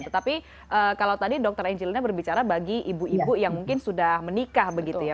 tetapi kalau tadi dokter angelina berbicara bagi ibu ibu yang mungkin sudah menikah begitu ya